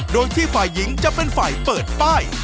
โดยที่ฝ่ายหญิงจะเป็นฝ่ายเปิดป้าย